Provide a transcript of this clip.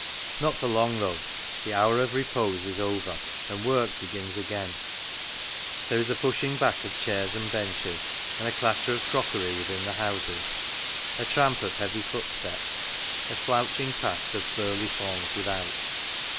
Not for long, though. The hour of repose is over, and work begins again. There is a pushing back of chairs and benches, and a clatter of crockery within the houses, a tramp of heavy footsteps, a slouching past of burly forms without.